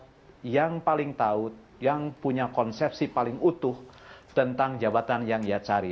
yang kedua adalah kandidat yang paling tahu yang punya konsepsi paling utuh tentang jabatan yang dia cari